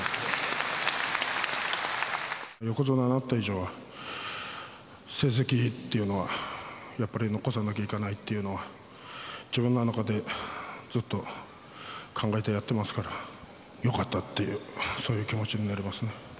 横綱になった以上は、成績っていうのは、やっぱり残さなきゃいけないっていうのは、自分の中で、ずっと考えてやってますから、よかったっていう、そういう気持ちになりますね。